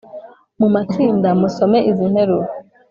Mu matsinda musome izi nteruro